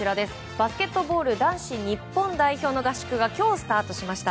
バスケットボール男子日本代表の合宿が今日スタートしました。